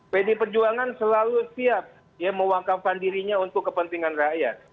pdi perjuangan selalu siap mewakafkan dirinya untuk kepentingan rakyat